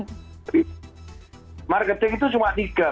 jadi marketing itu cuma tiga